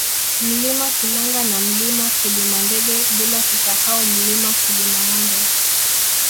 Mlima Kilanga na Mlima Kilimandege bila kusahau Mlima Kilimangombe